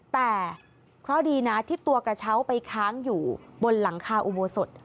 แต่เคราะห์ดีนะที่ตัวกระเช้าไปค้างอยู่บนหลังคาอุโบสถ